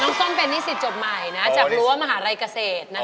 ส้มเป็นนิสิตจบใหม่จากรั้วมหาลัยเกษตร